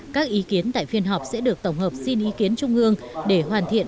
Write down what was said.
các ý kiến tại phiên họp sẽ được tổng hợp xin ý kiến trung ương để hoàn thiện